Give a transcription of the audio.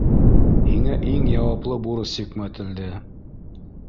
Һиңә иң яуаплы бурыс йөкмәтелде.